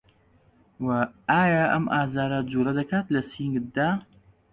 و ئایا ئەم ئازاره جووڵه دەکات لە سنگتدا؟